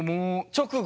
直後？